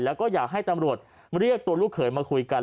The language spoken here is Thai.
แล้วก็อยากให้ตำรวจเรียกตัวลูกเขยมาคุยกัน